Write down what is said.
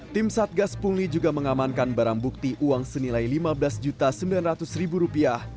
tim satgas pungli juga mengamankan barang bukti uang senilai lima belas sembilan ratus